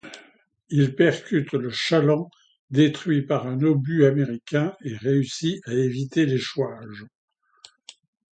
Il percute le chaland détruit par un obus américain et réussit à éviter l'échouage.